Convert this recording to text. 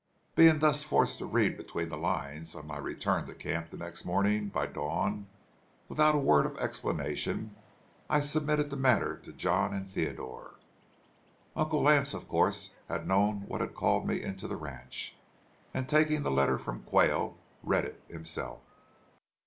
Being thus forced to read between the lines, on my return to camp the next morning by dawn, without a word of explanation, I submitted the matter to John and Theodore. Uncle Lance, of course, had to know what had called me in to the ranch, and, taking the letter from Quayle, read it himself.